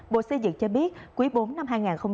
bộ xây dựng cho biết quý bốn năm hai nghìn hai mươi